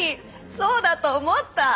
そうだと思った。